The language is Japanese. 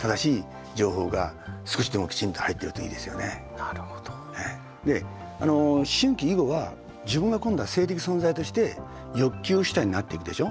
だからそこいくまでに思春期以後は自分が今度は性的存在として欲求主体になっていくでしょ。